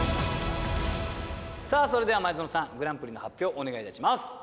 さあそれでは前園さんグランプリの発表をお願いいたします。